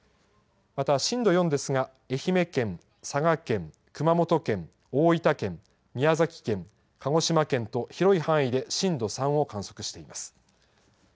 また震度４ですが、愛媛県、佐賀県、熊本県、大分県、宮崎県、鹿児島県と広い範囲で震度３を観測しています。